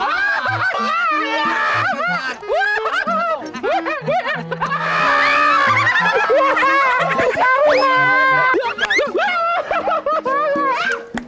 oh ini tuh selamat